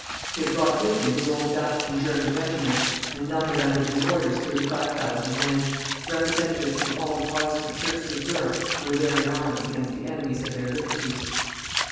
He had brought with him his old Dutch and German regiments, and numbered under his orders thirty five thousand men; representatives from all the Protestant churches of Europe were there in arms against the enemies of their liberties.